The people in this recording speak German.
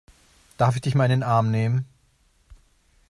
Darf ich dich mal in den Arm nehmen?